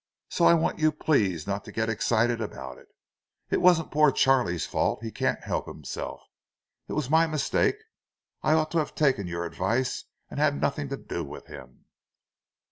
So I want you please not to get excited about it; it wasn't poor Charlie's fault—he can't help himself. It was my mistake. I ought to have taken your advice and had nothing to do with him."